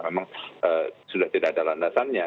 memang sudah tidak ada landasannya